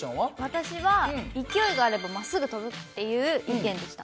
私は勢いがあればまっすぐ飛ぶっていう意見でした。